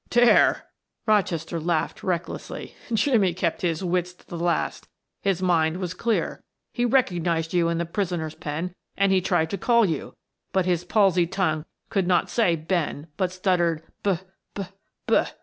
"Dare!" Rochester laughed recklessly. "Jimmie kept his wits to the last; his mind was clear; he recognized you in the prisoner's pen and he tried to call you, but his palsied tongue could not say Ben, but stuttered B b b."